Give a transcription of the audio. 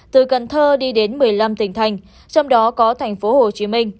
từ cần thơ đi đến một mươi năm tỉnh thành trong đó có tp hcm